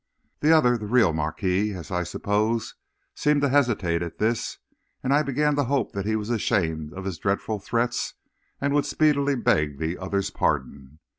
"The other, the real marquis, as I suppose, seemed to hesitate at this, and I began to hope he was ashamed of his dreadful threats and would speedily beg the other's pardon.